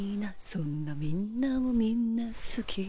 「そんなみんなをみんなすき」